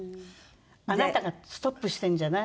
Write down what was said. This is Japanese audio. あなたがストップしてるんじゃない？